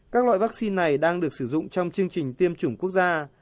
các loại vaccine này đang được sử dụng trong chương trình tiêm chủng quốc gia